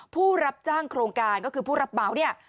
ผู้รับจ้างโครงการก็คือผู้รับเบาเนี่ย